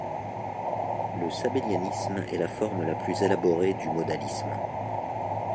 Le sabellianisme est la forme la plus élaborée du modalisme.